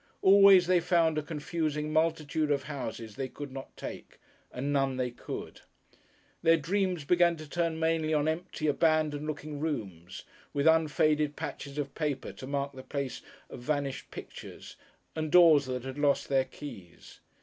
Always they found a confusing multitude of houses they could not take, and none they could. Their dreams began to turn mainly on empty, abandoned looking rooms, with unfaded patches of paper to mark the place of vanished pictures and doors that had lost their keys.